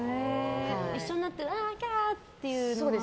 一緒になってわー、キャーというのは？